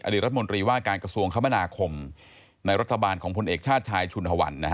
รัฐมนตรีว่าการกระทรวงคมนาคมในรัฐบาลของพลเอกชาติชายชุนฮวัน